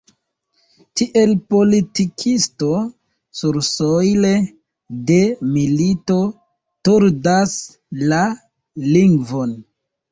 Tiel politikisto sursojle de milito tordas la lingvon.